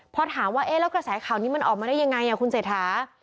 พอถามว่าเอ๊ะแล้วกระแสข่าวนี้มันออกมาได้ยังไงคุณเศรษฐา